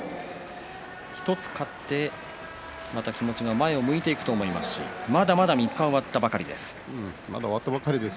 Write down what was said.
１つ勝ってまた気持ちが前を向いていくと思いますしまだまだ３日終わったばかりです。